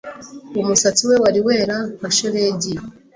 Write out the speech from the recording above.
Umusatsi we wari wera nka shelegi